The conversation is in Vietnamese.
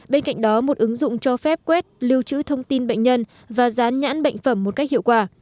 bên cạnh đó một ứng dụng cho phép quét lưu trữ thông tin bệnh nhân và dán nhãn bệnh phẩm một cách hiệu quả